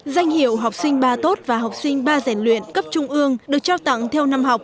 danh hiệu học sinh ba tốt và học sinh ba giải luyện cấp trung ương được trao tặng theo năm học